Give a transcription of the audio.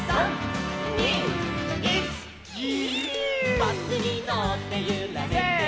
「バスにのってゆられてる」